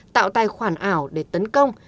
tạo tài khoản ảo để tấn công